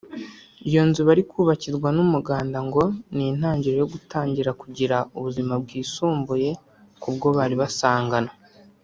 iyo nzu bari kubakirwa n’umuganda ngo ni intangiriro yo gutangira kugira ubuzima bwisumbuye ku bwo bari basanganywe